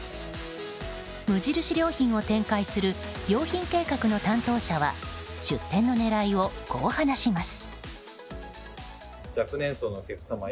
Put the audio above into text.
無印良品を展開する良品計画の担当者は出店の狙いをこう話します。